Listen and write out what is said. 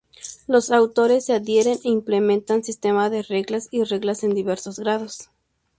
Los actores se adhieren e implementan sistemas de reglas y reglas en diversos grados.